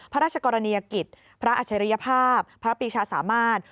พระราชกรณียกิจพระอัจฉริยภาพพระปีชาสามารถ